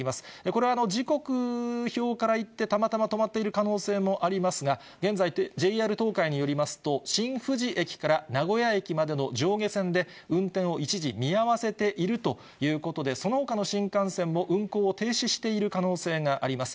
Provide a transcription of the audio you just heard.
これは時刻表からいって、たまたま止まっている可能性もありますが、現在、ＪＲ東海によりますと、新富士駅から名古屋駅までの上下線で、運転を一時見合わせているということで、そのほかの新幹線も運行を停止している可能性があります。